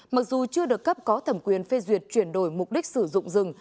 mặc dù chưa được cấp có thẩm quyền phê duyệt chuyển đổi mục đích sử dụng rừng